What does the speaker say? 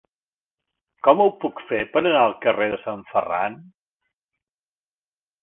Com ho puc fer per anar al carrer de Sant Ferran?